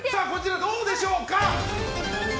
どうでしょうか。